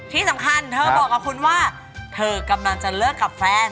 ที่สำคัญเธอบอกกับคุณว่าเธอกำลังจะเลิกกับแฟน